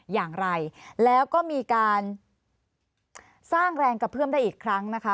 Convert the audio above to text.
อย่างไรแล้วก็มีการสร้างแรงกระเพื่อมได้อีกครั้งนะคะ